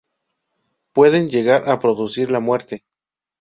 Pueden llegar a producir la muerte.